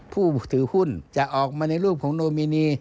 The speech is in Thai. ผู้ถือหุ้นจะออกมาในรูปของโนมินี